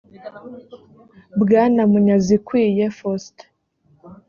bwana munyazikwiye faustin